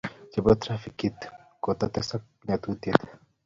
chebo trafikitit kogitotesak nyasusiet